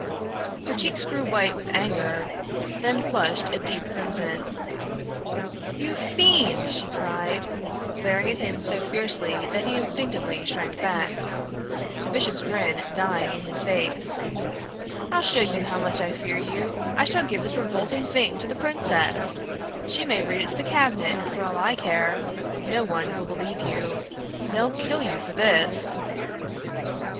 Her cheeks grew white with anger, then flushed a deep crimson. "You fiend!" she cried, glaring at him so fiercely that he instinctively shrank back, the vicious grin dying in his face. "I'll show you how much I fear you. I shall give this revolting thing to the princess. She may read it to the cabinet, for all I care. No one will believe you. They'll kill you for this!"